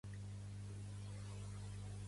Pertany al moviment independentista la Marga?